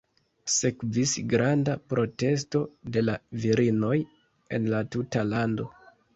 Sekvis granda protesto de la virinoj en la tuta lando.